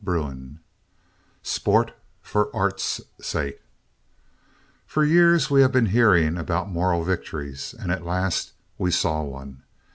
XI SPORT FOR ART'S SAKE For years we had been hearing about moral victories and at last we saw one.